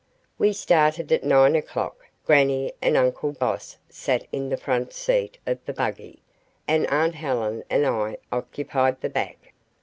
We started at nine o'clock. Grannie and uncle Boss sat in the front seat of the buggy, and aunt Helen and I occupied the back.